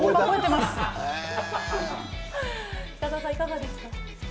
北澤さん、いかがですか。